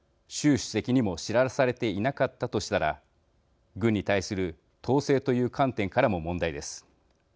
主席にも知らされていなかったとしたら軍に対する統制という観点からも問題です。